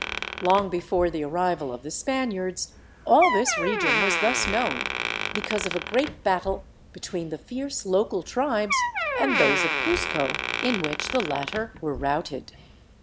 Long before the arrival of the Spaniards all this region was thus known be cause of a great battle between the fierce local tribes and those of Cuzco, in which the latter were routed.